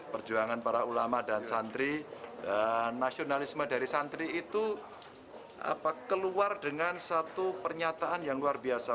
perjuangan para ulama dan santri nasionalisme dari santri itu keluar dengan satu pernyataan yang luar biasa